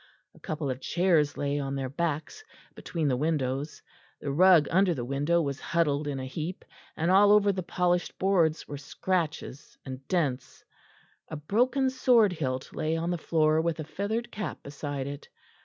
A couple of chairs lay on their backs between the windows; the rug under the window was huddled in a heap, and all over the polished boards were scratches and dents; a broken sword hilt lay on the floor with a feathered cap beside it.